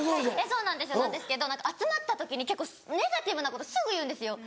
そうなんですよなんですけど集まった時に結構ネガティブなことすぐ言うんですよ。